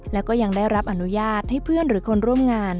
แล้วก็ยังได้รับอนุญาตให้เพื่อนหรือคนร่วมงาน